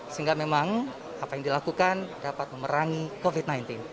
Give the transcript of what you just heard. sehingga memang apa yang dilakukan dapat memerangi covid sembilan belas